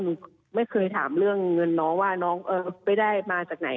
หนูไม่เคยถามเรื่องเงินน้องว่าน้องไม่ได้มาจากไหน